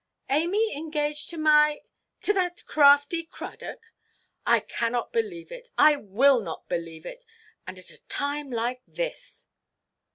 "Amy engaged to my—to that crafty Cradock! I cannot believe it. I will not believe it; and at a time like this!"